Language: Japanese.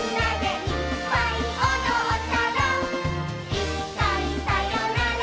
「いっかいさよなら